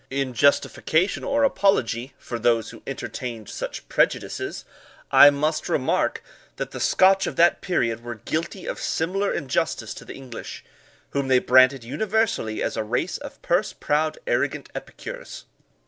In justification, or apology, for those who entertained such prejudices, I must remark, that the Scotch of that period were guilty of similar injustice to the English, whom they branded universally as a race of purse proud arrogant epicures.